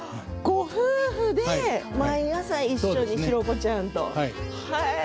ご夫婦で毎朝一緒にチロコちゃんと。